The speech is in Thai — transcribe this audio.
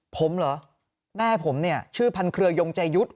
ผมเหรอแม่ผมชื่อพันเครยงใจยุทธ์